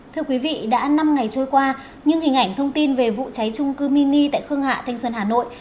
thưa quý vị đã năm ngày trôi qua nhưng hình ảnh thông tin về vụ cháy trung cư mini tại khương hạ thanh xuân hà nội